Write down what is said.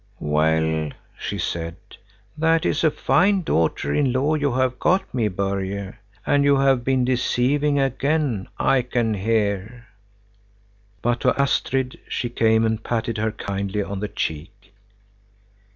"Well," she said, "that is a fine daughter in law you have got me, Börje. And you have been deceiving again, I can hear." But to Astrid she came and patted her kindly on the cheek.